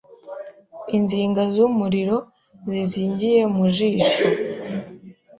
Inziga z'umuriro zizingiye mu jisho